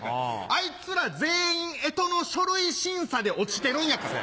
あいつら全員干支の書類審査で落ちてるんやから。